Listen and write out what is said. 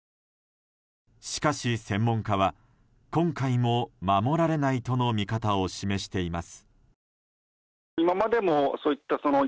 しかし、専門家は今回も守られないとの見方を示しています。